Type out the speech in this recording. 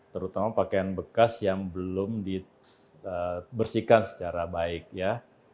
terutama pakaian bekas yang belum dibersihkan secara baik ya